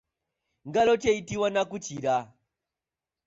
Ngalo ki eyitibwa nakukira?